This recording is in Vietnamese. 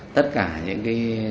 tất cả những